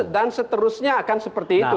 dan seterusnya akan seperti itu